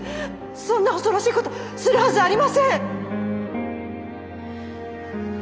そんな恐ろしいことするはずありません！